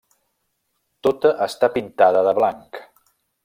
Tota està pintada de blanc.